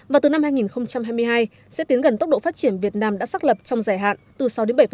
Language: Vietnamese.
và từ năm hai nghìn hai mươi hai sẽ tiến gần tốc độ phát triển việt nam đã xác lập trong dài hạn từ sáu đến bảy